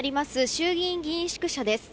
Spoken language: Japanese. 衆議院議員宿舎です。